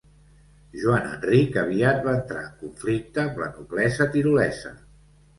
Joan Enric aviat va entrar en conflicte amb la noblesa tirolesa.